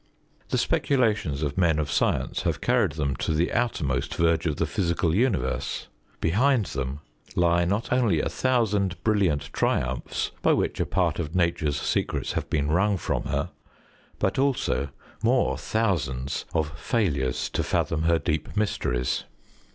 The speculations of men of science have carried them to the outermost verge of the physical universe. Behind them lie not only a thousand brilliant triumphs by which a part of Nature's secrets have been wrung from her, but also more thousands of failures to fathom her deep mysteries.